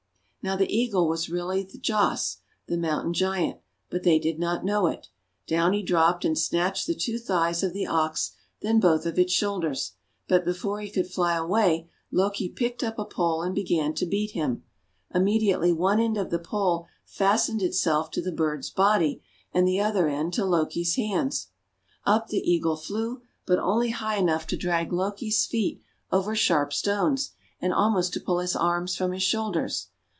Now the Eagle was really Thjasse the Moun tain Giant, but they did not know it. Down he dropped, and snatched the two thighs of the Ox, then both of its shoulders. But before he could fly away, Loki picked up a pole, and began to beat him. Immediately one end of the pole 218 THE WONDER GARDEN fastened itself to the bird's body, and the other end to Loki's hands. Up the Eagle flew, but only high enough to drag Loki's feet over sharp stones, and almost to pull his arms from his shoulders.